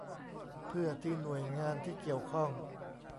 เพื่อที่หน่วยงานที่เกี่ยวข้อง